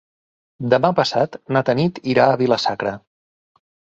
Demà passat na Tanit irà a Vila-sacra.